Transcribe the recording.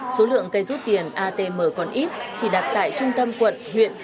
số lượng cây rút tiền atm còn ít chỉ đặt tại trung tâm quận huyện